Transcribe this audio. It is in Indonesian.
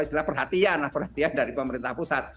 istilah perhatian dari pemerintah pusat